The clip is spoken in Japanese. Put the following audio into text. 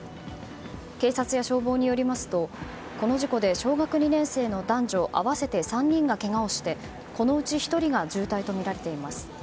警察や消防によりますとこの事故で小学２年生の男女合わせて３人がけがをしてこのうち１人が重体とみられています。